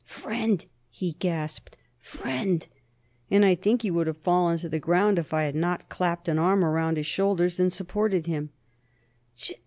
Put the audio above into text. "Friend," he gasped; "friend!" and I think he would have fallen to the ground if I had not clapped an arm around his shoulders and supported him.